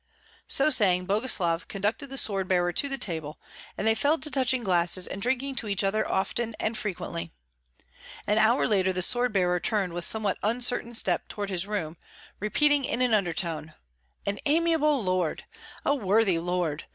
So saying, Boguslav conducted the sword bearer to the table, and they fell to touching glasses and drinking to each other often and frequently. An hour later the sword bearer turned with somewhat uncertain step toward his room, repeating in an undertone, "An amiable lord! A worthy lord!